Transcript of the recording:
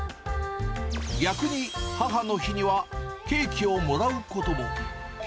逆に母の日には、ケーキをもらうことも。